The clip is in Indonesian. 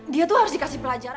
dia tuh harus dikasih pelajaran